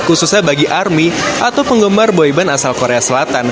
khususnya bagi army atau penggemar boyband asal korea selatan